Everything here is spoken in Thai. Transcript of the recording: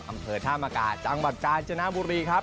อำเภอธามกาจังหวัดกาญจนบุรีครับ